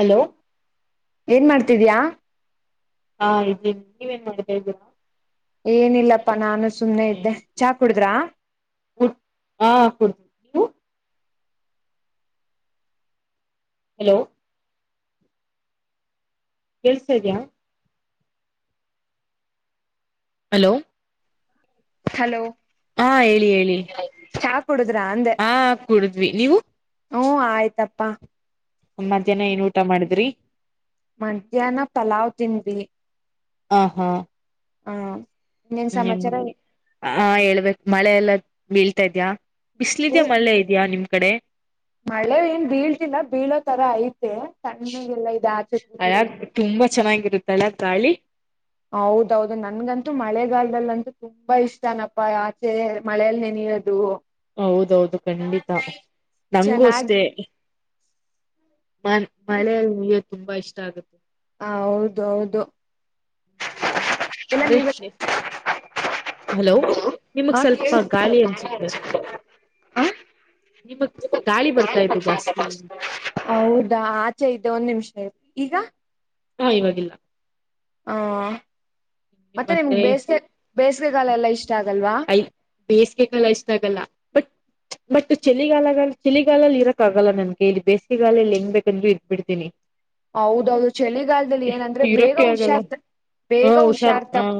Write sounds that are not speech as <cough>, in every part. Hello ಏನ್ ಮಾಡ್ತಿದ್ಯಾಾ. ಹಾ ಇದೀನ್ ನೀವೇಏನ್ ಮಾಡ್ತಾ ಇದ್ದೀರಾ. ಏನಿಲ್ಲಪ್ಪಾ ನಾನು ಸುಮಮ್ಮನೆ ಇದ್ದೆ ಚಹಾ ಕುಡುದ್ರಾ. ಹಾ ಕುಡ್ತ ಹಲೋ ಕೇಳ್ತಾ ಇದ್ದೀಯಾ ಹಲೋ ಹಲೋ ಹಾ ಹೇಳಿ ಹೇಳಿ. ಚಹಾ ಕುಡುದ್ರ ಅಂದೆ ಹಾ ಕುಡಿದ್ವಿ ನೀವು ಹಾ ಆಯ್ತಪ್ಪಾ. ಮಧ್ಯಾಹ್ನ ಏನ್ ಊಟ ಮಾಡಿದ್ರಿ. ಮಧ್ಯಾಹ್ನ ಪಲಾವ್ ತಿಂದವಿ ಹಾ ಹಾ ಹಾ ಹ್ಮ್ ಹಾ ಹೇಳ್ಬೇಕ ಮಳೆ ಎಲ್ಲಾ ಬೀಳ್ತಾ ಇದ್ಯಾ. ಬಿಸ್ಲಿದ ಮಳ್ಳೆ ಇದೆಯಾ ನಿಮ್ಮ ಕಡೆ. ಮಳೆ ಏನ್ ಬೀಳ್ತಿಲ್ಲ ಬೀಳೋ ತರ ಐತೆ ತಣ್ಣಗೆಲ್ಲಾ ಇ ಅಳಗ್ ಆಚೆರ್ಬಟ್ಟಿದೀನಿ. ತುಂಬಾ ಚೆನ್ನಾಗಿರುತ್ತಲ್ಲ ಗಾಳಿ. ಹೌದೌದು ನನ್ಗಂತೂ ಮಳೆಗಾಲದದಲ್ಲಿಂತೂ. ತುಂಬಾ ಇಷ್ಟನಪ್ಪ ಆಚೆ ಮಳೆಯಲ್ಲಿ ನೆನೆಯದು. ಹೌದೌದು ಖಂಡಿತ ನಂಗೂ ಚೆನ್ನಾಗ್ ಅಷ್ಟೇ. ಮ ಮಳೆಯಲ್ಲಿ ನೀಗೆ ತುಂಬಾ ಇಷ್ಟ ಆಗುತ್ತೆ. ಹ ಹೌದು ಹೌದು. ಅಂದ್ರೆ ಹಲೋ ನಿಮಗ್ ಹ ಕ ಸ್ವಲ್ಪ ಗಾಳಿ ಅನ್ಸುತ್ತೆ ಹ <inaudible> ನಿಮಗ್ ಗಾಳಿ ಬರ್ತಾ ಇದೆ ಜಾಸ್ತಿ. ಹೌದಾ ಆಚೆ ಇದ್ದೆ ಒಂದ್ ನಿಮಿಷ ಆಯು ಈಗ. ಹಾ ಇವಾಗಿಲ್ಲ ಹ ಮತ್ತೆ ನಿಮ್ಗೆ ಬೇಸಿಗೆ ಬೇಸಿಗೆಗಾಲ ಎಲ್ಲ ಇಷ್ಟ ಆಗಲ್ವಾ. ಬೇಸಿಗೆಲ್ಲ ಇಷ್ಟ ಆಗಲ್ಲ ಬಟ್. ಬಟ್ ಚಳಿಗಾಲ ಚಳಿಗಾಲಲ್ಲಿ ಇರಕ್ ಆಗಲ್ಲ ನನ್ಗೆ ಇಲ್ಲಿ ಬೇಸಿಗೆಗಾಲಲ್ಲಿ ಹೆಂಗ್ ಬೇಕಂದರು ಇದ್ಬ ಬಿಡ್ತೀನಿ. <unintelligible> ಹೌದೌದು ಚಳಿಗಾಲದಲ್ಲಿ ಏನಂದ್ರೆ ಬೇಗ ಇರಕ್ಕೆ ಆಗಲ್ಲ ಹುಷಾರ್ತ. ಹ ಬೇಗ ಹುಷಾರ್ ಹ ಹುಷಾರ್ತಪ್ಪ.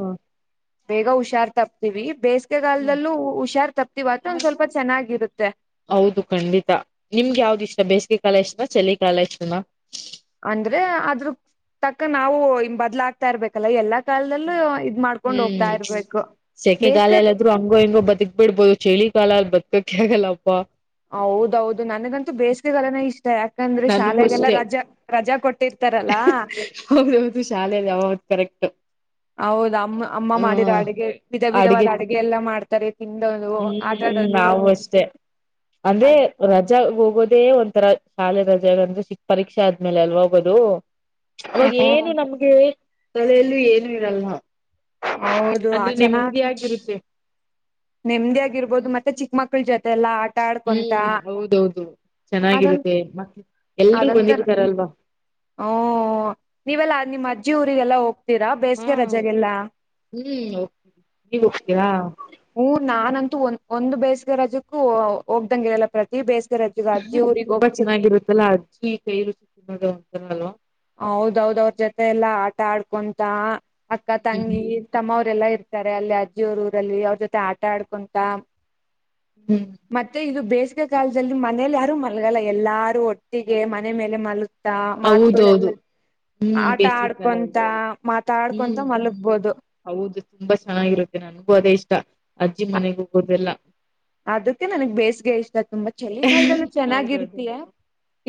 ಬೇಗ ಹುಷಾರ್ ತಪ್ತೀವಿ ಹ್ಮ್ ಬೇಸಿಗೆಗಾಲಲ್ದಲ್ಲೂ ಹುಷಾರ್ ತಪ್ತಿವಿ ಅ ಒಂದ್ ಸ್ವಲ್ಪ ಚೆನ್ನಾಗಿರುತ್ತೆ. ಹೌದು ಖಂಡಿತಾ ನಿಮ್ಗೆ ಯಾವ್ದ್ ಇಷ್ಟ ಬೇಸಿಗೆ ಕಾಲ ಇಷ್ಟನ ಚಳ ಕಾಲ ಇಷ್ಟನಾ. ಅಂದ್ರೆ ಅದ್ರ ತಕ್ಕ ನಾವು ಬದ್ಲಾಕ್. ಹತಾ ಇರ್ಬೇಕಲ್ಲ ಎಲ್ಲಾ ಕಾಲದಲ್ಲೂ ಇದ್ ಮಾಡ್ಕೊಂಡ್ ಹೋಗ್ತಾ ಹ್ಮ್ ಇರ್ಬೇಕು ಸೆಕೆಗಾಲ ಬೇಸ್ಗೆ. ಎಲ್ಲಾದ್ರು ಹಂಗೋ ಹಿಂಗೋ ಬದುಕ್ ಬಿಡ್ಬೋದು ಚಳಿ ಕಾಲ ಅಲ್ ಬದುಕಕ ಆಗಲ್ಲಪ್ಪಾ. ಹೌದೌದು ನನಗಂತೂ ಬೇಸಿಗೆಗಾಲಾನೇ ಇಷ್ಟ ಯಾಕಂದ್ರೆ ನನಗೂ ಶಾಲೆಗೆಲ್ಲ ಅಷ್ಟೇ ರಾಜಾ. ರಜಾ ಕೊಟ್ಟಿರ್ತಾರಲ್ಲಾ. ಹೌದು ಹೌದು ಶಾಲೆಯಲ್ಲಿ ಕರೆಕ್ಟ್. ಹೌದ ಅಮ್ಮ ಅಮ್ಮ ಹ ಮಾಡಿದರ ಅಡಗೆ ವಿಧ ಅಡ್ಗೆ ವಿಧವಾದ ಅಡಗೆ ಎಲ್ಲಾ ಮಾಡ್ತಾರೆ ತಿನ್ನದು. ಹ್ಮ್ ನಾವವು ಅಷ್ಟೆ ಅಂದ್ರೆ ಅದ್ ರಜ ಹೋಗೋದೇ ಒ. ರ ಶಾಲೆ ರಜೆಗ ಅಂದ್ರೆ ಪರೀಕ್ಷೆ ಆದ್ಮೇಲೆ ಎಲ್ ಹೋಗೋದು. ಅವಾಗ ಹ್ಮ್ ಏನು ನಮ್ಗೆ ತಲೆಯಲ್ಲೂ ಏನು ಇರಲ್ಲ. ಹೌದು ಆ ಅಂದ್ರೆ ನೆಮ್ಮಧಿ ಆಗಿ ಇರುತ್ತೆ. ನೆಮ್ಮದಿ ಆಗಿರ್ಬೋದು ಮತ್ತೆ ಚಿಕ್ಕ ಮಕ್ಳ ಜೊತೆ ಎಲ್ಲಾ ಆಟ ಆಡ್ಕೊಂತ. ಹ್ಮ್ ಹೌದೌದು ಅದೊಂದ ಚೆನ್ನಾಗಿರುತ್ತೆ ಮ ಎಲ್ರೂ ಬಂದಿರ್ತಾರಲ್ವಾ. ಹಓ ನೀವೆಲ್ಲಾ ನಿಮ್ಮ ಅಜ್ಜಿ ಊರಿಗೆಲ್ಲ ಹೋಗ್ತೀರಾ ಹಾ ಬೇಸಿಗೆ ರಜೆಗೆಲ್ಲಾ. ಹ್ಮ್ ಹಕ್ತಿವು ನೀವು ಹೋಗ್ತೀರಾ. ಹ್ಮ ನಾನಂತೂ ಒಂದ ಒಂದು ಬೇಸಿಗೆ ರಜೆಗೂ ಹೋಗ್ದಂಗ ಇರಲ್ಲ ಪ್ರತಿ ಬೇಸಿಗೆ. ಸರಿ ರಜ್ ಅಜ್ಜಿ ಊರಿಗೆ ಹೋಗ್ತೀನಿ. ಅಲ್ಲ ಅಡ್ಚ್ಚಿ ಕೈರುು ಸಕ್ಕೋದುಂತನಲ್ಲ <unintelligible> ಹೌದೌದ್ ಅವ್ರ ಜೊತೆ ಎಲ್ಲಾ ಆಟ ಆಡ್ಕೊಂತ ಅಕ್ಕ ತಂಗಿ. ಹ್ಮ್ ತಮ್ಮ ಅವರೆಲ್ಲಾ ಇರ್ತಾರೆ ಅಲ್ಲಿ ಅಜ್ಜಿಯ ಅವರ ಊರಲ್ಲಿ ಅವ್ರ ಜೊತೆ ಆಟ ಆಡ್ಕೊಂತ. ಹ್ಞ ಮತ್ತೆ ಇದು ಬೇಸಿಗೆ ಕಾಲದಲ್ಲಿ ಮನೇಲಿ ಯಾರು ಮಲ್ಗಲ್ಲ ಎಲ್ಲಾರು ಒಟ್ಟಿಗೆ ಮನೆ ಮೇಲೆ ಮಲ್ಗ್. ಲಗ್ತಾ ಮಾತಾಡತಾ. ಹೌದೌದು ಇವಳಲ ಹ್ಮ್ ಆಟ ಬೇಸಿಗೆ ಕಾಲದಲ್ಲಿ ಆಡ್ಕೊಂತ ಮಾತಾಡ್ಕೊಂತ ಹ್ಮ್ ಹ್ಮ್ ಮಲಗ್ಬೋದು. ಹೌದು ತುಂಬಾ ಚೆನ್ನಾಗಿರುತ್ತೆ ನನಗೂ ಅದೇ ಇಷ್ಟ ಅಜ್ಜಿ ಮನೆಗ ಹೋಗೋದೆಲ್ಲ. ಅದಕ್ಕೆ ನನ್ಗ್ ಬೇಸಗೆ ಇಷ್ಟ ತುಂಬಾ ಚಳಿಗಾಲದಲ್ಲಿ ಹೌದೌದು ಚೆನ್ನಾಗಿರ್ತಯೆ.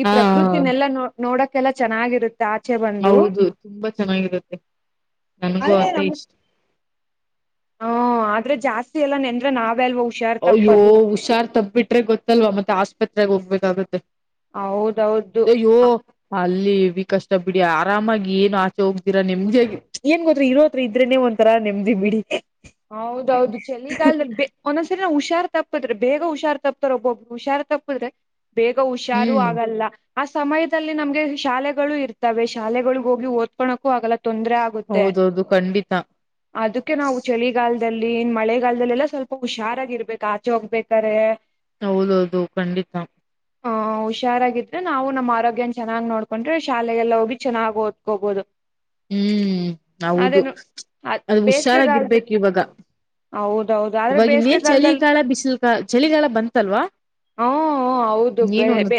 ಈ ಹಾ ಪ್ರಕೃತಿನೆಲ್ಲಾ ನೋ ನೋಡಕ್ಕೆಲ್ಲಾ ಚೆನ್ನಾಗಿರುತ್ತೆ ಹಾಛೆ ಬ <unintelligible> ಹೌದು ತುಂಬಾ ಚೆನ್ನಾಗಿರುತ್ತೆ ನನಗೂ ಅದೇ ಇಷ್ಟ ಹ ಆದ್ರೆ ಜಾಸ್ತಿ ಎಲ್ಲ ನೆಂದ್ರ ನಾವ ಅಲ್ವ ನೀ ಹುಷಾರ್ತಪ್ಪ ಹುಷ ರ್ ತಬ್ಬಿಟ್ರೆ ಗೊತ್ತಲ್ವ ಮತ್ತೆ ಆಸ್ಪತ್ರೆಗೆ ಹೋಗ್ಬೇಕಾಗತ್ತೆ ಹೌದೌದು ಅಯ್ಯೊ ಅಲ್ಲಿ ಹೆವಿ ಕಷ್ಟ ಬಿಡಿ ಆರಾಮಾಗಿ ಏನು ಆಚೆ ಹೋಗ್ ರಾ ನೆಮ್ಮದಿ ಆಗಿ ಏನ್ ಗೊತ್ತ ಇರೋದ್ ಇದ್ರೆನೆ ಒಂಥರಾ ನೆಮ್ಮ್ದಿ ಬಿಡಿ ಹೌದೌದು ಚಳಿಗಾಲಧಲಿ ಬೆ ಒಂದೊಂದ್ಸರಿ ನಾ ಹುಷಾರ್ ತಪ್ಪಪಿದ್ರೆ ಬೇಗ ಹುಷಾರ್ ತಪ್ಪತಾರ ಒಬ್ಬಬ್ರು ಹುಷಾರ್ ತಪ್ಪಪಿದ್ರೆ ಬೇಗ ಹುಷಾರು ಹ್ಮ್ ಆಗಲ್ಲ ಆ ಸಮಯದಲ್ಲಿ ನಮ್ಗೆ ಶಾಲೆಗಳು ಇರ್ತವೆ ಶಾಲೆಗಳಗ್ ಹೋಗಿ ಓದ್ಕೋಳಕೂ ಆಗಲ ತೊಂದರೆ ಆಗುತ್ತೆ ಹೌದೌದು ಖಂಡಿತ ಅದಕ್ಕೆ ನಾವು ಚಳಿಗಾಲದಲ್ಲಿ ಇನ್ ಮಳೆಗಾಲದಲ್ಲಿಲ್ಲಾ ಸ್ವಲ್ಪ ಹುಷಾರಾಗಿರ್ಬೇಕು ಆಚೆ ಹೋಗ್ಬೇಕ್ರೆ ಹೌದೌದು ಖಂಡಿತ ಆ ಹುಷಾರಾಗಿದ್ರೆ ನಾವು ನಮ್ಮ ಆರೋಗ್ಯನ ಚನಾಗಿ ನೋಡ್ಕೊಂಡ್ರೆ ಶಾಲೆಗೆಲ್ಲ ಹೋಗಿ ಚೆನ್ನಾಗಿ ಓದ್ಕೋಬಹುದು ಹ್ಮ್ ಹೌದು ಅದೇನು ಅ ಅದು ಬೇಸಿಗೆಗಾಲದ ಹುಷಾರಾಗಿರ್ಬೇಕು ಇವಾಗ ಹೌದೌದು ಆದ್ರೆ ಇವಾಗ ಇನ್ನೇನ್ ಬೇಸಿಗೆಗಾಲದಲ್ಲಿ ಚಳಿಗಾಲ ಬಿಸಿಲುಕಾ ಚಳಿಗಾಲ ಬಂತಲ್ವಾ ಹ ಹೌದು ಬರೆ ಬೇ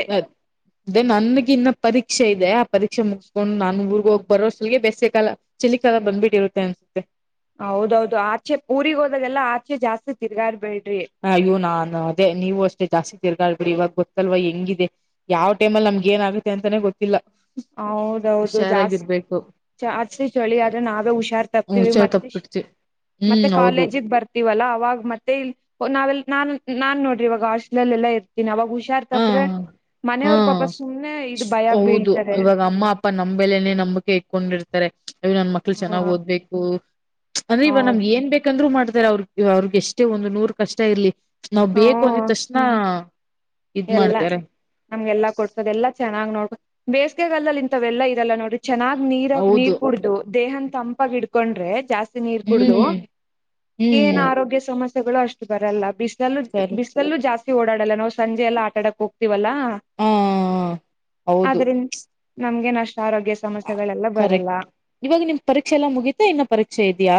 ದೆ ನನ್ಗ ಇನ್ನ ಪರೀಕ್ಷೆ ಇದೆ ಆ ಪರೀಕ್ಷೆ ಮುಗಸ್ಕೊಂಡು ನಾನು ಊರ್ಗ ಹೋಗಿ ಬರೋ ಈಗ ಬೇಸ ಕಾಲ ಚಿ ಕಾಲ ಬಂದ್ಬಿಟ್ಟಿರುತ್ತೆ ಅನ್ಸುತ್ತೆ ಹೌದೌದು ಆಚೆ ಊರಿಗ ಹೋದಾಗೆಲ್ಲಾ ಆಚೆ ಜಾಸ್ತಿ ತಿರ್ಗಾರ್ಬೇಡ್ರಿ ಹ ನಾನು ಅದೇ ನೀವು ಅಷ್ಟೇ ಜಾಸ್ತಿ ತಿರ್ಗಾಳ್ ಬಿಡಿ ಇವಾಗ ಗೊತ್ತಲ್ವ ಹೆಂಗಿದೆ ಯಾವ ಟೈಮ ಅ ನಮ್ಗೆ ಏನ ಆಗುತ್ತೆ ಅಂತಾನೇ ಗೊತ್ತಿಲ್ಲ ಹೌದೌದು ಜಾಸ್ತಿ ಹುಷಾರಾಗಿರ್ಬೇಕು ಚಾಸ್ತಿ ಚಳಿ ಆದ್ರೆ ನಾವೇ ಹುಷಾರ್ ತಪ್ತೀವಿ ಹುಷಾರ್ ಮತ್ತೆ ತಪ್ಪಿಡ್ತಿ ಮತ್ತೆ ಹ್ಮ್ ಹೌದು ಕಾಲೇಜಿಗ್ ಬರ್ ಇವಲ್ಲ ಅವಾಗ ಮತ್ತೆ ಇ ನಾವೆ ನಾನ್ ನಾನ್ ನೋಡ್ರಿ ಇವಾಗ ಹಾಸ್ಟೆಲ್ ಎಲ್ಲಾ ಇರ್ತೀನಿ ಅವಾಗ ಹುಷ ಹುಷಾರ್ ಹ ತಪ್ಪಿದ್ರೆ ಹಾ ಮನೆಯವ್ರ ಪಾಪ ಸುಮ್ನೆ ಇದು ಭಯ ಬೀಳ್ ಹೌದು ಇವಾಗ ಅಮ್ಮ ಅಪ್ಪ ನಮ ಮೇಲೆನೆ ನಂಬಕೆ ಇಕೊಂಡಿರ್ತಾರೆ ಅವು ನನ್ ಮಕ್ಳು ಚೆನ್ನಾಗ್ ಹ ಓದ್ಬೇಕು ಅಂದ್ರೆ ಇವ ಹೌದು ನಮ್ಗೆ ಏನ್ ಬೇಕಂದ್ರು ಮಾಡ್ತಾರ ಅವ್ರಗ್ ಅವ್ರಗ್ ಎಷ್ಟೇ ಒಂದು ನೂರ್ ಕಷ್ಟ ಇರ್ಲಿ ನಾವ್ ಬೇಕು ಅಂದಿದ ತಕ್ಷಣ ಇದ್ ಎಲ್ಲಾ ಮಾಡ್ತಾರೆ ನಮ್ಗೆಲ್ಲಾ ಕೊಡ್ಸದೆ ಎಲ್ಲಾ ಚೆನ್ನಾಗ್ ನೋಡ್ ಬೇಸಿಗೆಗಲ್ದಲ್ಲಿ ಇಂತಾವ ಎಲ್ಲ ಇರಲ್ಲ ನೋಡ್ರಿ ಚೆನ್ನಾಗ್ ನೀರ ಹೌದು ನೀರ್ ಕುಡ್ದು ದೇಹನ್ ತಂಪಾಗಿ ಇಡ್ಕೊಂಡ್ರೆ ಜಾಸ್ತಿ ನೀರ್ ಕುಡ ಹ್ಮ್ ಏನು ಹ್ಮ್ ಆರೋಗ್ಯ ಸಮಸ್ಯೆಗಳು ಅಷ್ಟು ಬರಲ್ಲ ಬ ಸರಿ ಬ ಲ್ಲೂ ಜಾಸ್ತಿ ಓಡಾಡಲ್ಲ ನಾವು ಸಂಜೆಲ್ಲ ಆಟಾಡಕ್ ಹೋಗ್ತಿವಲ್ಲಾ ಹಾ ಹೌದು ಆದ್ರಿಂದ ನಮ್ಗೆ ನಷ್ಟ ಆರೋಗ್ಯ ಸಮಸ್ಯೆಗಳೆಲ್ಲ ಬರಲ್ಲ ಕರೆಕ್ಟ್ ಇವಾಗ ನಿಮ್ ಪರೀಕ್ಷೆ ಎಲ್ಲಾ ಮುಗೀತಾ ಇನ್ನ ಪರೀಕ್ಷೆ ಇದ್ಯಾ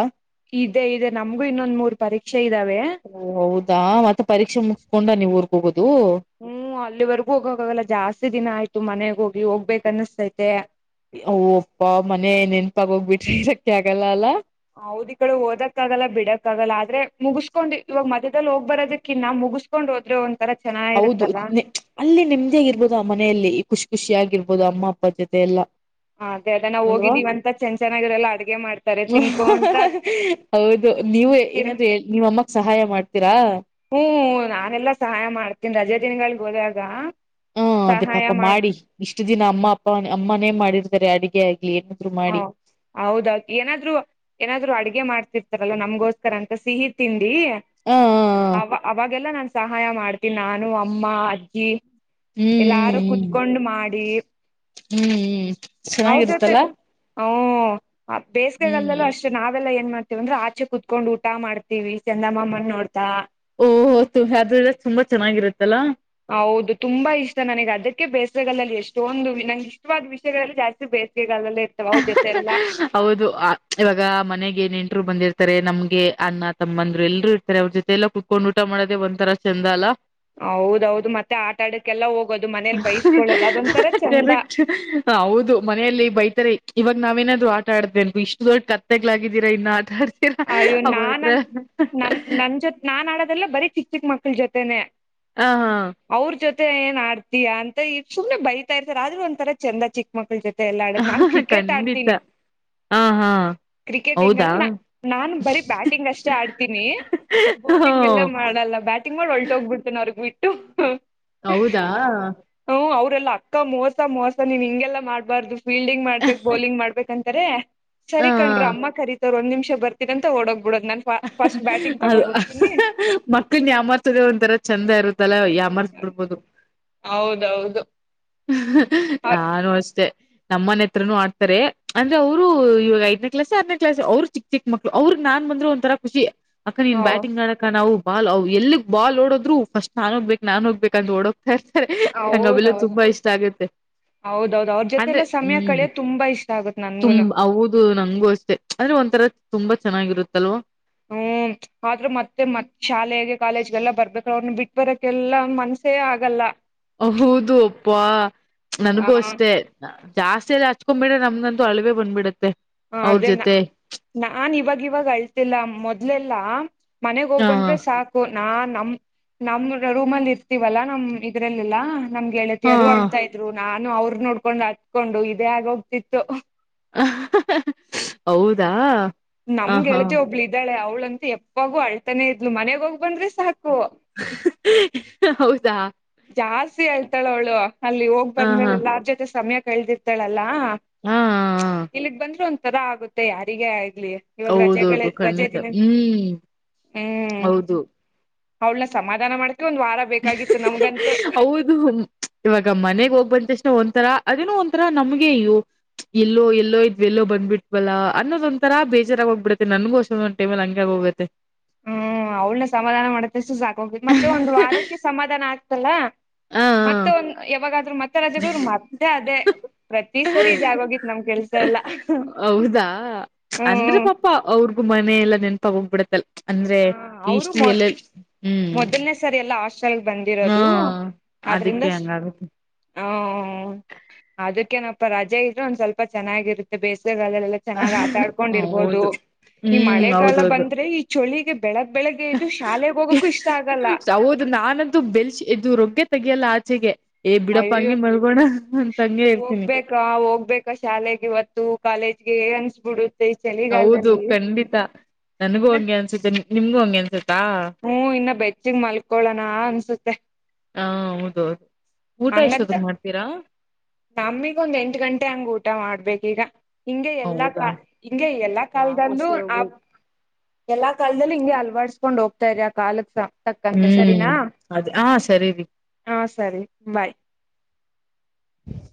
ಇದೆ ಇದೆ ನಮ್ಗು ಇನ್ನೊಂದ್ ಮೂರ್ ಪರೀಕ್ಷೆ ಇದ್ದಾವೆ ಓ ಹೌದಾ ಮತ್ತೆ ಪರೀಕ್ಷೆ ಮುಗಸ್ಕೊಂಡ ನೀವ್ ಊರ್ಗ್ ಹೋಗೋದು ಹ್ಮ್ ಅಲ್ಲಿವರ್ಗೂ ಹೋಗಕ್ಕಾಗಲ್ಲ ಜಾಸ್ತಿ ದಿನ ಆಯ್ತು ಮನೆಗ ಹೋಗಿ ಹೋಗ್ಬೇಕ ಅನಿಸ್ತೈತೆ ಓ ಅಪ್ಪ ಮನೆ ನೆನ್ಪಾಗ ಹೋಗ್ಬಿಟ್ರಿ ಇದಕ್ಕೆ ಆಗಲ್ಲ ಅಲ್ಲಾ ಹೌದಿ ಕಡೆ ಓದಕ್ಕ ಆಗಲ್ಲ ಬಿಡಕ್ಕ ಆಗಲ್ಲ ಆದ್ರೆ ಮುಗಸ್ಕೊಂಡ್ ಇವಾಗ ಮಧ್ಯದಲ್ಲಿ ಹೋಗ್ ಬರೋದಕ್ಕಿನ್ನಾ ಮುಗಿಸ ಕಕೊಂಡ್ ಹೋದ್ರೆ ಒಂ ತರ ಚೆನ್ನಾಗಿ ಹೌದು ಇರುತ್ತಲ್ಲಾ ಅಲ್ಲಿ ನಿಮ್ದೇ ಆಗಿರ್ಬೋದು ಆ ಮನೆಯಲ್ಲಿ ಖುಷಿ ಖುಷಿ ಆಗಿರ್ಬೋದು ಅಮ್ಮ ಅಪ್ಪ ಜೊತೆ ಎಲ್ಲಾ ಅದೇ ಅದ ನಾವು ಹೋಗಿದ್ದೀವ ಅಂತ ಚೆನ್ ಚೆನ್ನಾಗಿರಲ್ಲಾ ಅಡ್ಗೆ ಮಾಡ್ತಾರೆ ತಿನ್ಕೊಂತ ಹೌದು ನೀವು ತಿರ್ ಏನಾದ್ರೂ ನೀವ ಅಮ್ಮಕ್ ಸಹಾಯ ಮಾಡ್ತೀರಾ ಹ್ಮ್ ನಾನೆಲ್ಲಾ ಸಹಾಯ ಮಾಡ್ತೀನ್ ರಜೆ ದಿನಗಳಲ್ಲಿ ಹೋದಾಗ ಹ ಅದೇ ಸಹಾಯ ಪಾಪ ಮಾಡ್ ಮಾಡಿ ಇಷ್ಟು ದಿನ ಅಮ್ಮ ಅಪ್ಪ ಅಮ್ಮನೇ ಮಾಡಿರ್ತಾರೆ ಅಡುಗೆ ಆಗ್ಲಿ ಹ ಮಾಡಿ ಹೌದ ಏನಾದ್ರು ಏನಾದ್ರು ಅಡ್ಗೆ ಮಾಡ್ತಿರ್ತಾರಲ್ಲ ನಮ್ಗೋಸ್ಕರ ಅಂತ ಸಿಹಿ ತಿಂಡಿ ಹಾ ಅವ ಅವಾಗೆಲ್ಲ ನಾನು ಸಹಾಯ ಮಾಡ್ತೀನಿ ನಾನು ಅಮ್ಮ ಅಜ್ಜಿ ಹ್ಮ್ ಎಲ್ಲಾರು ಹ್ಮ್ ಕುೂತ್ಕೊಂಡು ಮಾಡಿ ಹ್ಮ್ ಹ್ಮ್ ಅವ ಚೆನ್ನಾಗಿರುತ್ತಲ್ಲ ಹಓ ಹ್ಮ್ ಬೇಸ್ಗೆಗಲ್ದಲ್ಲೂ ಅಷ್ಟೇ ಅಷ್ಟ ನಾವೆಲ್ಲ ಏನ್ ಮಾಡ್ತೀವಂದ್ರೆ ಆಚೆ ಕುತ್ಕೊಂಡ್ ಊಟ ಮಾಡ್ತೀವಿ ಚಂದಮಾಮನ್ ನೋಡ್ತಾ ಓಹ ಯ್ರ ತುಂಬಾ ಚೆನ್ನಾಗಿರುತ್ತಲ್ಲಾ ಹೌದು ತುಂಬಾ ಇಷ್ಟ ನನಗೆ ಅದಕ್ಕೆ ಬೇಸರಗಲ್ಲಲ್ಲಿ ಎಷ್ಟೊಂದು ನಂಗೆ ಇಷ್ಟವಾದ ವಿಷಯಗಳಲ್ಲಿ ಜಾಸ್ತಿ ಬೇಸ ಗಲ್ಲಲ್ಲ ಹೌದು ಇವಾಗ ಮನೆಗೆ ನೆಂಟರು ಬಂದಿರ್ತಾರೆ ನಮ್ಗೆ ಅಣ್ಣ ತಮ್ಮ ಅಂದ್ರು ಎಲ್ಲರು ಇರ್ತಾರೆ ಅವ್ರ ಜೊತೆ ಎಲ್ಲ ಕು ಕೊಂಡ್ ಊಟ ಮಾಡದೆ ಒಂದ್ಂತರ ಚಂದ ಅಲ್ಲ ಹೌದೌದು ಮತ್ತೆ ಆಟ ಆಡಕ್ಕೆಲ್ಲ ಹೋಗೋದು ಮನೇಲಿ ಬೈಸ್ಕೊಳ್ಳೋದು ಅದೊಂತರ ಚಂದ ಹ ಹೌದು ಮನೆಯಲ್ಲಿ ಬೈತಾರೆ ಇವಾಗ ನಾವೇನಾದ್ರು ಆಡ್ದೇ ಅಂತು ಇಷ್ಟು ದೊಡ್ ಕತ್ತೆಗ್ಗಳಾಗಿದ್ದೀರ ಇನ್ನು ಆಟ ಅಯ್ಯೋ ಅಬತ್ರ ನಾನನ್ ನನ್ ನನ್ ಜೊತೆ ನಾನ್ ಆಡೋದೆಲ್ಲ ಬರೀ ಚಿಕ್ಕ ಚಿಕ್ಕ ಮಕ್ಳ ಜೊತೆನೆ ಆ ಹಾ ಅವ್ರ ಜೊತೆ ಏನ್ ಆಡ್ತೀಯ ಅಂತ ಸುಮ್ನೆ ಬೈತಾ ಇರ್ತಾರೆ ಆದ್ರೂ ಒಂದಥರ ಚಂದ ಚಿಕ್ಕ ಮಕ್ಕಳು ಜೊತೆ ಎಲ್ಲ ಆಡೋ ನಾನ್ ಹಾ ಕ್ರಿಕೆಟ್ ಖಂಡಿತ ಆಡ್ತೀನಿ ಹ ಹಾ ಕ್ರಿಕೆಟ್ ಎಂಗ ಹೌದಾ ನಾ ನ ಬೀ ಬ್ಯಾಟಿಂಗ್ ಅಷ್ಟೇ ಆಡ್ತೀನಿ ಹ ಬೌಲಿಂಗ್ ಎಲ್ಲ ಮಾಡ ಮಾಡಲ್ಲ ಬ್ಯಾಟಿಂಗ್ ಮಾಡಿ ಹೋಗ್ಬಿಡ್ತೇನೆ ಅವ್ರಗ್ ಬಿಟ್ಟು ಹೌದಾ ಹ್ಮ್ ಅವ್ರಲ್ಲ ಅಕ್ಕ ಮೋಸ ಮೋಸ ನೀನ್ ಹಿಂಗೆಲ್ಲ ಮಾಡಬಾರ್ದು ಫೀಲ್ಡಿಂಗ್ ಮಾಡ್ಬಬೇಕು ಬೌಲಿಂಗ್ ಮಾಡ್ಬಬೇಕು ಯಾಕಂತಾರೆ ಅ ಸರಿಕಣ್ರು ಅಮ್ಮ ಕರೀತಾವರೆ ಒಂದ್ ನಿಮಿಷ ಬರ್ತೀ ಅಂತ ಓಡೋಗ್ ಬಿಡೋ ನನ್ಗೆ ಅದು ಮಕ್ಕಳನ ಯಾಮರ್ಸೋದು ಒಂತರ ಚಂದ ಇರುತ್ತಲ್ಲ ಯಾವ ಅರ್ ಬಿಡ್ಬೋದು ಹೌದೌದು ನಾನು ಅಷ್ಟೆ ನಮ್ಮನೆ ಹತ್ರನೂ ಆಡ್ತಾರೆ ಅಂದ್ರೆ ಅವರು ಇವಾಗ ಐದನೇ ಕ್ಲಾಸ್ ಆರನೇ ಕ್ಲಾಸ್ ಅವ್ರು ಚಿಕ್ ಚಿಕ್ಳು ಅವ್ರಗ್ ನಾನ್ ಬಂದ್ರು ಒ ತರ ಖುಷಿ ಅಕ್ಕ ನೀನ್ ಬ್ಯಾಟಿಂಗ್ ಮಾಡಕ ನಾವು ಬಾಲ್ವು ಎಲ್ಲಿಗ್ ಬಾಲ್ಓಡದ್ ಫಸ್ಟ್ ನಾನ ಹೋಗ್ಬೇಕು ನಾನು ಹೋಗ್ಬೇಕು ಅಂತ ಓಡೋಕ್ ನಂಗ ಆವೇಲ ತುಂಬಾ ಇಷ್ಟ ಆಗತ್ತೆ ಹೌದೌದದು ಅವ್ರ ಜೊತೆ ಎಲ್ಲ ಸಮಯ ಕಳಿಯೋ ತುಂಬಾ ಇಷ್ಟ ಆಗುತ್ತ್ ನನ್ಗು ತುಂಬ ಹೌದು ನಂಗೂ ಅಷ್ಟೆ ಅಂದ್ರೆ ಒಂಥರ ತುಂಬಾ ಚೆನ್ನಾಗಿರುತ್ತಲ್ವಾ ಹ್ಮ್ ಆದ್ರೂ ಮತ್ತೆ ಮತ್ ಶಾಲೆಗೆ ಕಾಲೇಜ್ಗೆಲ್ಲ ಬರ್ಬೇಕ್ರ ಅವ್ರನ್ನ ಬಿಟ್ ಬರಕ್ಕೆಲ್ಲ ಮನ್ಸೇ ಆಗಲ್ಲ ಹೌದು ಅಪ್ಪಾ ಆ ನನಗೂ ಅಷ್ಟೆ ಜಾಸ್ತಿಯಲ್ಲಿ ಹಚ್ಕೊಂಡ್ಬಿ್ರೆ ನಮ್ಗಂತೂ ಅಳವೆೇ ಬಂದ್ಬಿಡುತ್ತೆ ಹ ಅದೇ ನ ನಾನ್ ಇವಾಗ ಇವಾಗ ಅಳ್ತಿಲ್ಲ ಮೊದ್ಲೆಲ್ಲಾ ಮನೆಗ್ ಹೋಗ್ ಹ ಬಂದ್ರೆ ಸಾಕ್ ನಾ ನಮ ನಮ್ ರೂಮ್ಲ್ಲಿ ಇರ್ತೀವಲ್ಲಾ ನಮ್ ಇದ್ರಲ್ಲಿಲ್ಲಾ ನಮ್ಗೆ ಳತಿಯರು ಹಾ ಅಳ್ತಾ ಇದ್ರು ನಾನು ಅವ್ರ ನೋಡ್ಕೊಂಡ್ ಅತ್ಕೊಂಡು ಇದೇ ಆಗ ಹೋಗ್ತಿತ್ತು ಹ ಹೌದಾ ಹ ಹಾ ನಮ್ಗೆೇಳ್ತಿ ಒಬ್ಳ ಇದ್ದಾಳೆ ಅವ್ಳಂತ ಎಪ್ಪಾಗೂ ಅಳ್ತಾನೇ ಇದ್ಲು ಮನೆಗ ಹೋಗ್ ಬಂದ್ರೆ ಸಾಕು ಹೌದಾ ಜಾಸ್ತಿ ಹೇಳ್ತಾಳ ಅವ್ಳು ಅಲ್ಲಿ ಹೋಗ್ ಹ ಹಾ ಬಂದ್ಮೇಲೆ ಎಲ್ಲಾರ್ ಜೊತೆ ಸಮಯ ಕಳ್ದಿರ್ ಗಳಲ್ಲ ಹಾ ಇಲ್ಲಿಗ್ ಬಂದ್ರೆ ಒಂ ತರ ಆಗುತ್ತೆ ಯಾರಿಗೆ ಆಗ್ಲಿ ಇವಾಗ ರಜೆಗಳ ಹೌದೌದು ರಜೆ ಖಂಡಿತ ತಿಿಂದ ಹ್ಮ್ ಹ್ಮ್ ಹೌದು ಅವಳನ್ನ ಸಮಾಧಾನ ಮಾಡ್ಕ ಒಂದ ವಾರ ಬೇಕಾಗಿತ್ತು ನಮ್ಗಂತೂ <unintelligible> ಹೌದು ಇವಾಗ ಮನೆಗ್ ಹೋಗ್ಬಂತಷ್ಟೆ ಒಂಥರ ಅದನ ಒಂಥರಾ ನಮ್ಗೆ ಅ ಎಲ್ಲೋ ಎಲ್ಲೋ ಇದ್ವಿ ಎಲ್ಲೋ ಬಂದ್ಬಟ್ವಲ್ಲಾ ಅನ್ನೋದ ಒಂಂತರ ಬೇಜಾರಾಗ ಹೋಗ್ಬ ಬಿಡತ್ತೆ ನನ್ಗೋಸ ಟೇಬಲ್ ಹಂಗ ಹೋಗುತ್ತೆ ಹ್ಮ್ ಅವ್ಳನ ಸಮಾಧಾನ ಮಾಡ್ತಸು ಸಾು ಮತ್ತೆ ಒಂದು ಆರೋಗ್ಯ ಸಮಾಧಾನ ಆಗ್ತಲ್ಲ ಹ ಮತ್ತೆ ಯಾವಾಗ್ರೂ ಮ ರಾಜದರು ಮತ್ತೆ ಅದೇ ಹ. ಪ್ರತಿ ಸರಿ ಇದ ಆಗೋಗಿತ್ ನಮ್ ಕೆಲ್ಸ ಎಲ್ಲಾ ಅಂದ್ರ ಪಾಪ ಪಾ ಅವ್ರಗು ಮನೆ ಎಲ್ಲಾ ನೆನಪ ಹೋಗ್ಬಿಡತ್ತಲ್ಲ ಅಂದ್ರೆ ಹ ಅವರು ಈಷ್ಟೀ ಮೊ ಎಲ್ಲೆ ಹ್ಮ್ ಮೊದಲ್ನೇ ಸರಿ ಎಲ್ಲ ಹಾಸ್ಟೆಲ್ ಹಾ ಬಂದಿರೋದು ಆದ್ರಿಂದ ಅದಕ್ಕೆ ಹಂಗಾಗುತ್ತೆ ಹ ಅದಕ್ಕೇನಪ್ಪ ರಜೆ ಇದ್ರೆ ಒಂದ್ ಸ್ವಲ್ಪ ಚೆನ್ನಾಗಿರುತ್ತೆ ಬೇಸಿಗೆಗಾಲ ಎಲ್ಲ ಚೆನ್ನಾಗ್ ಹ ಆಟಾಡ್ಕೊಂಡಿರ್ಬೋುದು ಹೌದು ಈ ಹ್ಮ್ ಮಳೆಗಾಲ ಹೌದೌದು ಬಂದ್ರೆ ಈ ಚಳಿಗೆ ಬೆಳಗ್ ಬೆಳಗ್್ದದು ಶಾಲೆಗೆ ಹೋಗಕ್ಕು ಇಷ್ಟ ಆಗಲ್ಲ ಹೌದು ನಾನ ಇದು ಬೆಲ್ ಇದು ರೊಗ್ಗೆ ತಗಿಯಲ್ಲ ಆಚೆಗೆ ಏ ಬಿಡಪ್ಪ ಅಯ್ಯೋ ಹಂಗೆ ಮಲ್ಗೋಣ ಅಂತಂಗಗೆ ಇರ್ತೀನಿ ಹೋಗ್ಬೇಕಾ ಹೋಗ್ಬೇಕಾ ಶಾಲೆಗೆ ಇತ್ತು ಕಾಲೇಜ್ಗೆ ಅನ್ಸ್ಬಿಡು ಸ ಈ ಚಲಿಿಗಲ್ ಹೌದು ಅಲ್ಲಿ ಖಂಡಿತ ನನಗೂ ಇನ್ನ ಹಂಗೆ ಅನ್ಸುತ್ತೆ ನಿಮ್ಗೂ ಹಂಗೆ ಅನ್ಸುತ್ತಾ ಹ್ಮ ಇನ್ನ ಬೆಚ್ಚಿಗ್ ಮಲ್ಕೊಳೋಣ ಅನ್ಸುತ್ತೆ ಹಾ ಹೌದೌದು ಊಟ ಎಷ್ಟೊದಗ್ ಮಾಡ್ತೀರಾ ನಮಗ ಒಂದ್ ಎಂಟು ಗಂಟೆ ಹಂಗ್ ಊಟ ಮಾಡ್ಬೇಕ ಈಗ ಹಿಂಗೆ ಎಲ್ಲಾ ಹೌದಾ ಕ ಹಿಂಗೆ ಎಲ್ಲಾ ನಾವು ಕಾಲದಲ್ಲೂ ಅಷ್ಟೇ ಆ ಹೋಗ ಎಲ್ಲಾ ಕಾಲದಲ್ಲಿ ಹಿಂಗೆ ಅಲವಡಿಸಸ್ಕೊಂಡ್ ಹೋಗ್ತಾ್ರ ಆ ಕಾಲಕ್ಸ ತಕ್ಕಂತೆ ಹ್ಮ್ ಸರಿನಾ ಅದ್ ಹಾ ಸರಿ ರೀ. ಹಾ ಸರಿ ಬಾಯ್